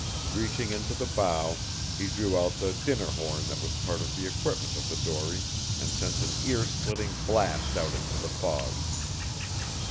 Reaching into the bow, he drew out the dinner horn that was part of the equipment of the dory and sent an ear splitting blast out into the fog.